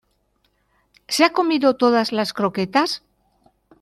¿ se ha comido todas las croquetas?